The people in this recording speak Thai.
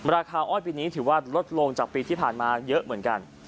อ้อยปีนี้ถือว่าลดลงจากปีที่ผ่านมาเยอะเหมือนกัน